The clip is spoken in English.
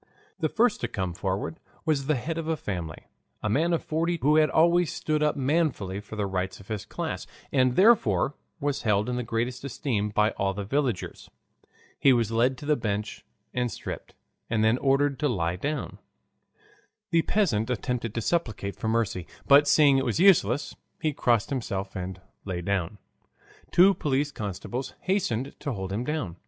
The first to come forward was the head of a family, a man of forty who had always stood up manfully for the rights of his class, and therefore was held in the greatest esteem by all the villagers. He was led to the bench and stripped, and then ordered to lie down. The peasant attempted to supplicate for mercy, but seeing it was useless, he crossed himself and lay down. Two police constables hastened to hold him down.